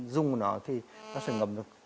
dùng nó thì nó sẽ ngầm được